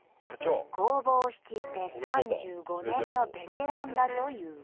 工房を率いて３５年のベテランだという。